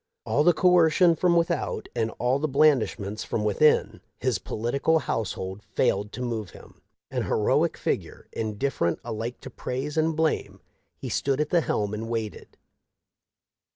All the coercion from without, and all the blandishments from within, his political household failed to move him. An heroic figure, indifferent alike to praise and blame, he stood at the helm and waited.